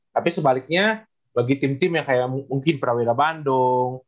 tapi sebaliknya bagi tim tim yang kayak mungkin prawira bandung